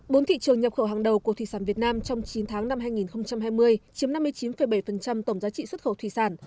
bốn thị trường nhập khẩu hàng đầu của thủy sản việt nam trong chín tháng năm hai nghìn hai mươi chiếm năm mươi chín bảy tổng giá trị xuất khẩu thủy sản